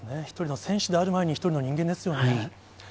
一人の選手である前に、一人の人間ですよね。